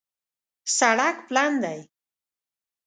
سړک پلن دی